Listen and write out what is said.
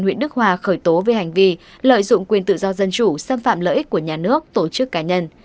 huyện đức hòa khởi tố về hành vi lợi dụng quyền tự do dân chủ xâm phạm lợi ích của nhà nước tổ chức cá nhân